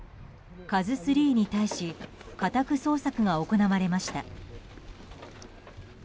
「ＫＡＺＵ３」に対し家宅捜索が行われました。